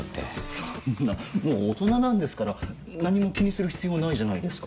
そんなもう大人なんですから何も気にする必要ないじゃないですか。